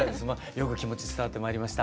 よく気持ち伝わってまいりました。